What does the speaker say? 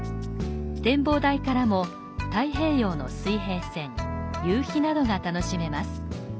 展望台からも太平洋の水平線、夕日などが楽しめます。